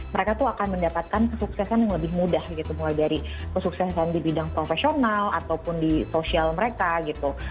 mereka tuh akan mendapatkan kesuksesan yang lebih mudah gitu mulai dari kesuksesan di bidang profesional ataupun di sosial mereka gitu